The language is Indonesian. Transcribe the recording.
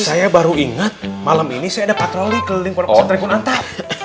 saya baru inget malam ini saya ada patroli ke lingkungan ustadz rekun antar